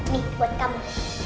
nih buat kamu